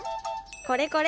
これこれ。